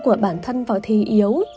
tự tôn của bản thân vào thế yếu